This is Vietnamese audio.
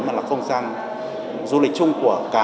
mà là không gian du lịch chung của cả